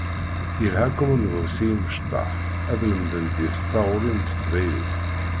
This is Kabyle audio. Yelha Common Voice i imecṭaḥ ad lemden deg-s taɣuri n teqbaylit.